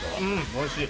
おいしい。